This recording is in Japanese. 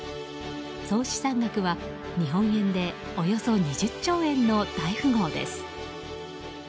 総資産額は日本円でおよそ２０兆円の大富豪です。